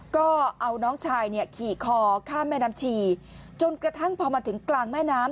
ก็เอาน้องชายเนี่ยขี่คอข้ามแม่น้ำชีจนกระทั่งพอมาถึงกลางแม่น้ำ